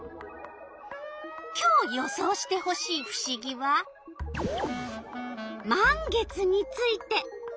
今日予想してほしいふしぎは「満月」について。